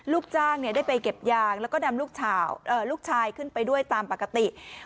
ลูกจ้างได้ไปเก็บยางแล้วก็นำลูกชายขึ้นไปด้วยตามปกติ